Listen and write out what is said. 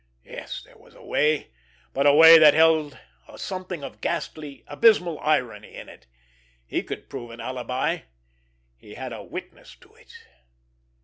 Yes, there was a way, but a way that held a something of ghastly, abysmal irony in it. He could prove an alibi—he had a witness to it.